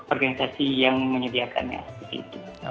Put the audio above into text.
organisasi yang menyediakannya